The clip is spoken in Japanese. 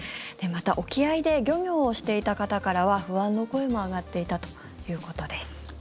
また沖合で漁業をしていた方からは不安の声も上がっていたということです。